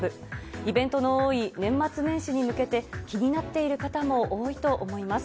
イベントの多い年末年始に向けて、気になっている方も多いと思います。